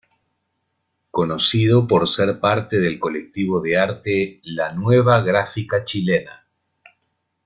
Conocido por ser parte del colectivo de arte "La Nueva Gráfica Chilena".